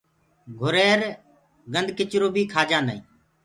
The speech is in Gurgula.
گھُرير گندکِچرو بي کآجآندو هي۔